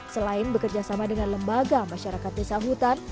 selain bekerjasama dengan lembaga masyarakat desa hutan